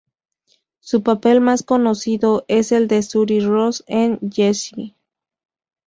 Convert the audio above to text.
Su papel más conocido es el de Zuri Ross en ""Jessie"".